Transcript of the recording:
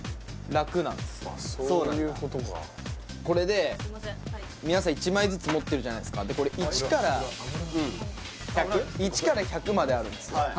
そういうことかこれで皆さん１枚ずつ持ってるじゃないですかでこれ１から油油油１から１００まであるんですよ